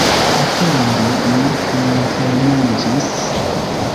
Atendu, mi flankeniĝis.